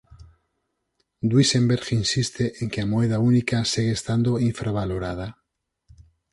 Duisenberg insiste en que a moeda única segue estando infravalorada